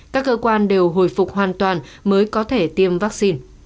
các cơ quan đều hồi phục hoàn toàn mới có thể tiêm vaccine